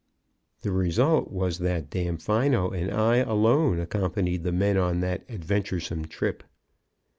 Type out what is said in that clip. The result was that Damfino and I alone accompanied the men on that adventuresome trip.